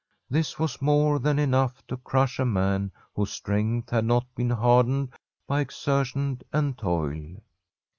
This was more than enough to crush a man whose strength had not been hardened by exertion and toil.